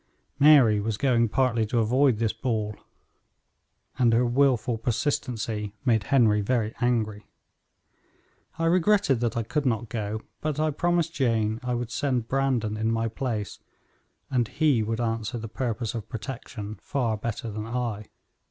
Mary was going partly to avoid this ball, and her wilful persistency made Henry very angry. I regretted that I could not go, but I promised Jane I would send Brandon in my place, and he would answer the purpose of protection far better than I.